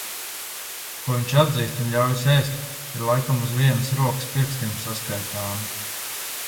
Ko viņš atzīst un ļaujas ēst, ir laikam uz vienas rokas pirkstiem saskaitāmi.